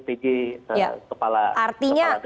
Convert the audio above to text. pj kepala daerah